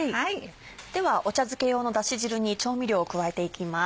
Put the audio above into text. ではお茶漬け用のだし汁に調味料を加えていきます。